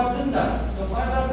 menjatuhkan peridana berupa denda